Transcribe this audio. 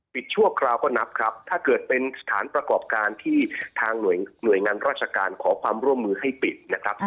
ชั่วคราวก็นับครับถ้าเกิดเป็นสถานประกอบการที่ทางหน่วยงานราชการขอความร่วมมือให้ปิดนะครับ